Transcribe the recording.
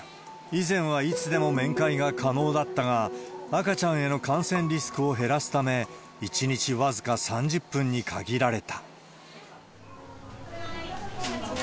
以前はいつでも面会が可能だったが、赤ちゃんへの感染リスクを減らすため、１日僅か３０分に限られた。